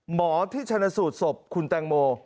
หมอที่ชนะสูตรศพคุณแตงโม